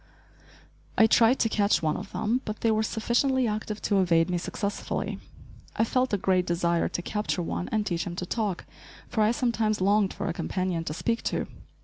I tried to catch one of them, but they were sufficiently active to evade me successfully. I felt a great desire to capture one and teach him to talk, for I sometimes longed for a companion to speak to.